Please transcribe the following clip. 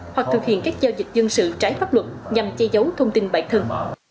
hoặc thực hiện các giao dịch dân sự trái pháp luật nhằm che giấu thông tin bản thân